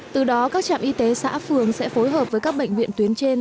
từ đó các trạm y tế xã phường sẽ phối hợp với các bệnh viện tuyến trên